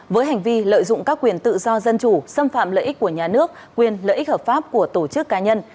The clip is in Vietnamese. với hành vi lợi dụng các quyền tự do dân chủ xâm phạm lợi ích của nhà nước quyền lợi ích hợp pháp của tổ chức cá nhân